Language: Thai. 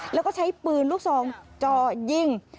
แล้วก็ใช้ปืนลูกซองจ่อยิง